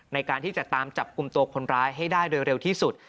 ในการที่จะตามจับกลุ่มตัวคนร้ายให้ได้โดยเร็วที่สุด